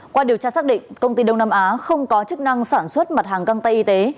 qua điều tra xác định công ty đông nam á không có chức năng sản xuất mặt hàng găng tay y tế